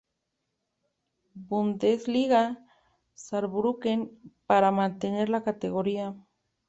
Bundesliga, Saarbrücken, para mantener la categoría.